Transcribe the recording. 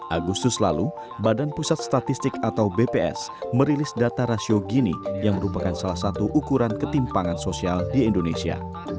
agustus lalu badan pusat statistik atau bps merilis data rasio gini yang merupakan salah satu ukuran ketimpangan sosial di indonesia